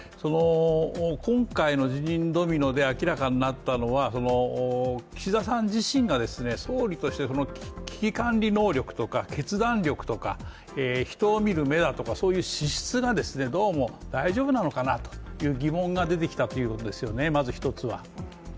今回の辞任ドミノで明らかになったのは岸田さん自身が総理として危機管理能力とか決断力とか人を見る目だとか、そういう資質がどうも、大丈夫なのかなという疑問が出てきたということですね、まず一つは。